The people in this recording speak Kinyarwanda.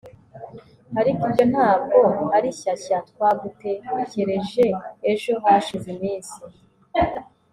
ariko ibyo ntabwo ari shyashya twagutekereje ejo hashize iminsi